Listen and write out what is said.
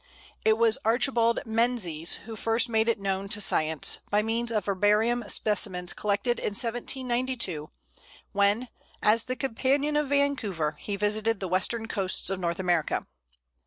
It was Archibald Menzies who first made it known to science, by means of herbarium specimens collected in 1792, when, as the companion of Vancouver, he visited the western coasts of North America.